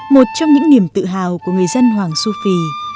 một trong những niềm tự hào của người dân hoàng su phi